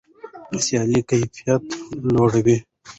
سیالي کیفیت لوړوي.